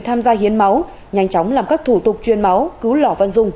tham gia hiến máu nhanh chóng làm các thủ tục chuyên máu cứu lò văn dung